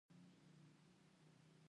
ایا ستاسو دنده مهمه ده؟